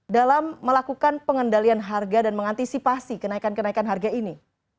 dalam melakukan pengendalian harga dan mengantisipasi kenaikan kenaikan harga ini